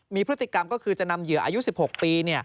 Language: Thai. มีพฤติกรรมก็คือจะนำเหยื่ออายุ๑๖ปี